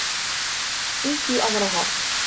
انسي أمرها.